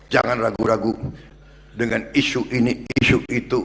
jangan ragu ragu dengan isu ini isu itu